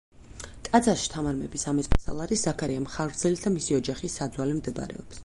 ტაძარში თამარ მეფის ამირსპასალარის, ზაქარია მხარგრძელის და მისი ოჯახის საძვალე მდებარეობს.